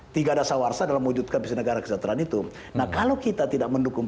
pada sawarsa dalam mewujudkan visi negara kesejahteraan itu nah kalau kita tidak mendukung